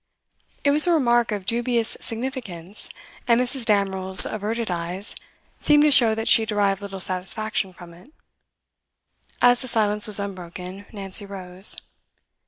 It was a remark of dubious significance, and Mrs. Damerel's averted eyes seemed to show that she derived little satisfaction from it. As the silence was unbroken, Nancy rose.